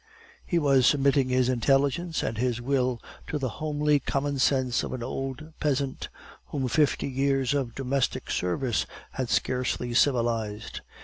He was submitting his intelligence and his will to the homely common sense of an old peasant whom fifty years of domestic service had scarcely civilized.